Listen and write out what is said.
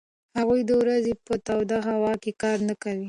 هغوی د ورځې په توده هوا کې کار نه کوي.